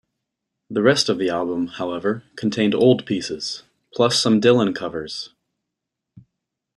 The rest of the album, however, contained old pieces, plus some Dylan covers.